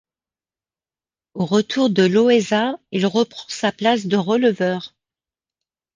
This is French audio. Au retour de Loaiza, il reprend sa place de releveur.